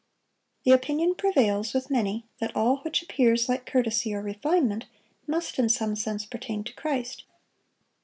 The opinion prevails with many that all which appears like courtesy or refinement must, in some sense, pertain to Christ.